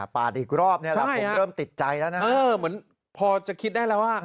อีกรอบนี่แหละผมเริ่มติดใจแล้วนะเหมือนพอจะคิดได้แล้วว่า